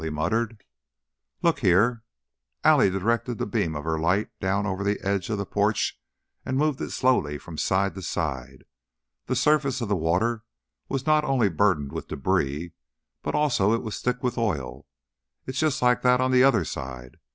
he muttered. "Look here." Allie directed the beam of her light down over the edge of the porch, and moved it slowly from side to side. The surface of the water was not only burdened with debris, but also it was thick with oil. "It's just like that on the other side.